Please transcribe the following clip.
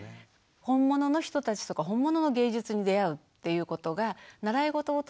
本物の人たちとか本物の芸術に出会うっていうことが習いごとを通してできる。